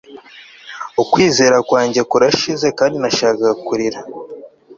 ukwizera kwanjye kurashize kandi nashakaga kurira